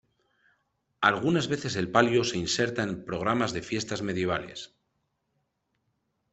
Algunas veces el palio se inserta en programas de fiestas medievales.